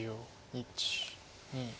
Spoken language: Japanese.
１２。